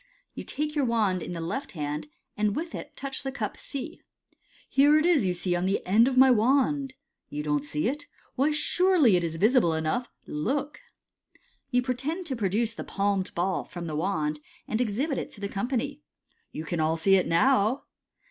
You take your wand in the left hand, and with it touch the cup C. " Here it is, you see, on the end of my wand. You don't see it ? Why, surely it is visible enough. Look." You pretend to produce the palmed ball from the wand, and exhibit it to the company. '• You can all see it now."